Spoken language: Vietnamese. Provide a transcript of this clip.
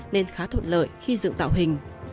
nên khá thuận lợi khi dựng tạo hình